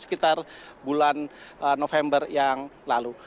sekitar bulan november yang lalu